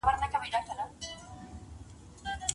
خاطرې مو د ژوند کیسه جوړوي.